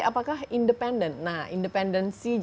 apakah independen nah independensi